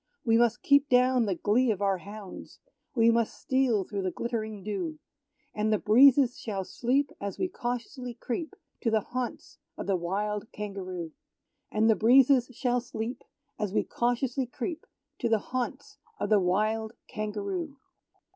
We must keep down the glee of our hounds; We must steal through the glittering dew; And the breezes shall sleep as we cautiously creep To the haunts of the wild Kangaroo. And the breezes shall sleep, As we cautiously creep To the haunts of the wild Kangaroo.